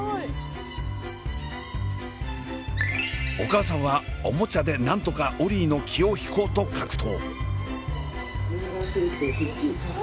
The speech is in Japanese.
お母さんはおもちゃでなんとかオリィの気を引こうと格闘。